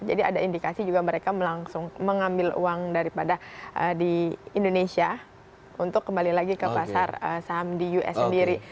jadi ada indikasi juga mereka melangsung mengambil uang daripada di indonesia untuk kembali lagi ke pasar saham di us sendiri